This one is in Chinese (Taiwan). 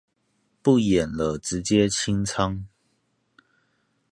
不演了直接清倉